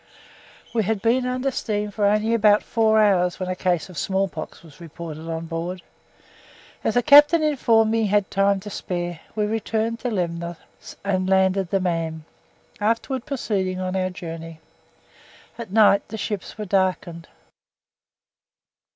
We had been under steam for only about four hours when a case of smallpox was reported on board. As the captain informed me he had time to spare, we returned to Lemnor and landed the man, afterwards proceeding on our journey. At night the ship was darkened.